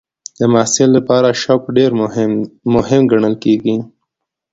د محصل لپاره شوق ډېر مهم ګڼل کېږي.